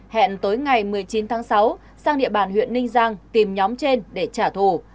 hẹn tối ngày một mươi chín tháng sáu sang địa bàn huyện ninh giang tìm nhóm trên để trả thù